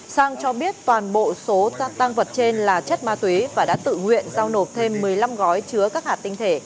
sang cho biết toàn bộ số tăng vật trên là chất ma túy và đã tự nguyện giao nộp thêm một mươi năm gói chứa các hạt tinh thể